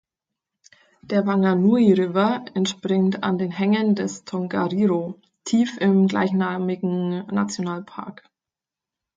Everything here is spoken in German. Der Whanganui River entspringt an den Hängen des Tongariro tief im gleichnamigen Nationalpark.